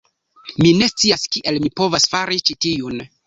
Mi ne scias kiel mi povas fari ĉi tiun.